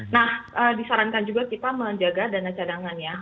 nah disarankan juga kita menjaga dana cadangan ya